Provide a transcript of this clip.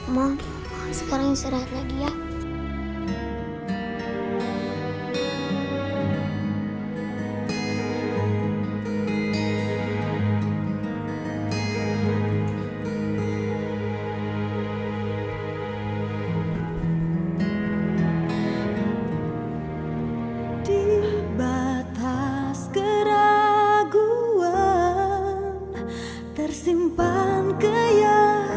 ma sekarang istirahat lagi ya